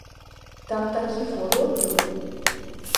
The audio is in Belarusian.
Там такі фурор быў!